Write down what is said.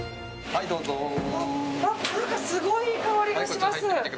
すごいいい香りがします。